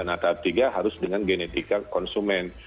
nah tahap tiga harus dengan genetika konsumen